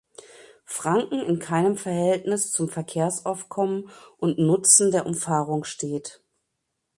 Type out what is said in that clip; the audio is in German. Franken in keinem Verhältnis zum Verkehrsaufkommen und Nutzen der Umfahrung steht.